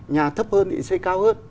nhà thấp hơn thì xây cao hơn